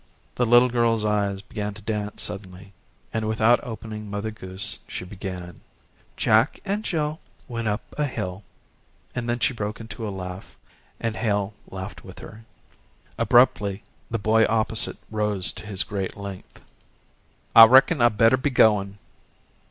The little girl's eyes began to dance suddenly, and, without opening "Mother Goose," she began: "Jack and Jill went up a hill," and then she broke into a laugh and Hale laughed with her. Abruptly, the boy opposite rose to his great length. "I reckon I better be goin'."